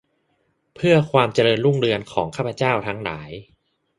เพื่อความเจริญรุ่งเรืองของข้าพเจ้าทั้งหลาย